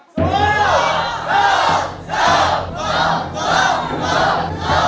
สู้